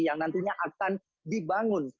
yang nantinya akan dibangun